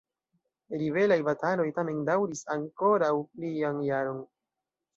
Ribelaj bataloj tamen daŭris ankoraŭ plian jaron.